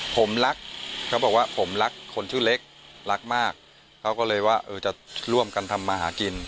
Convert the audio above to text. ผมรักเขาบอกว่าผมรักคนชื่อเล็กรักมากเขาก็เลยว่าเออจะร่วมกันทำมาหากิน